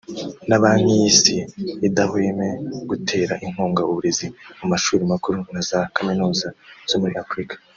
na Banki y’Isi idahweme gutera inkunga uburezi mu mashuri makuru na za kaminuza zo muri Afurika